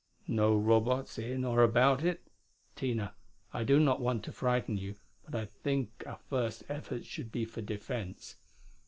"No Robots in or about it? Tina, I do not want to frighten you, but I think our first efforts should be for defense.